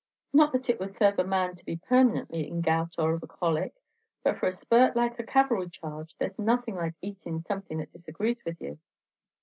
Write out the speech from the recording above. Not that it would sarve a man to be permanently in gout or the colic; but for a spurt like a cavalry charge, there's nothing like eatin' something that disagrees with you."